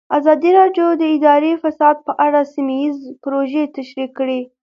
ازادي راډیو د اداري فساد په اړه سیمه ییزې پروژې تشریح کړې.